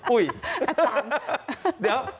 อุ๊ยอาจารย์